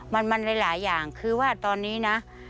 มันหลายอย่างคือว่าตอนนี้นะ